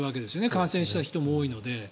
感染した人も多いので。